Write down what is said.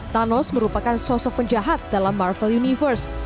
thanos merupakan sosok penjahat dalam marvel universe